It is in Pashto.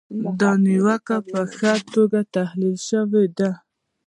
دا نیوکه په ښه توګه تحلیل شوې ده.